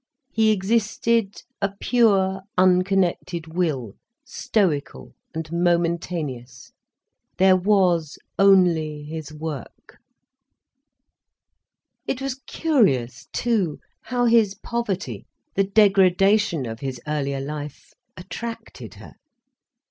He existed a pure, unconnected will, stoical and momentaneous. There was only his work. It was curious too, how his poverty, the degradation of his earlier life, attracted her.